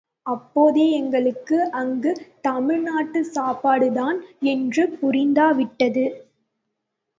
அப்போதே எங்களுக்கு அங்கு தமிழ் நாட்டு சாப்பாடுதான் என்று புரிந்த விட்டது.